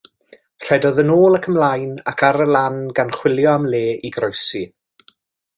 Rhedodd yn ôl ac ymlaen ar y lan gan chwilio am le i groesi.